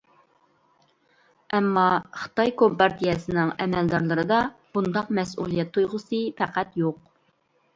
ئەمما خىتاي كومپارتىيەسىنىڭ ئەمەلدارلىرىدا بۇنداق مەسئۇلىيەت تۇيغۇسى پەقەت يوق.